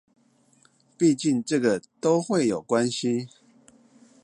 畢竟這個都會有關係